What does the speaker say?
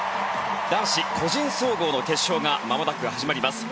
男子個人総合の決勝がまもなく始まります。